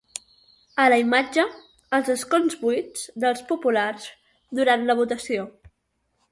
A la imatge, els escons buits dels populars durant la votació.